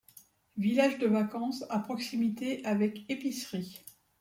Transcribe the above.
Village de vacances à proximité avec épicerie.